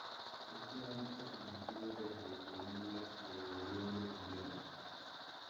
Este hábito se mantuvo desde que India se volvió independiente.